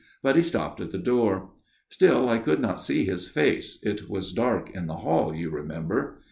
But he stopped at the door. Still I could not see his face it was dark in the hall, you remember.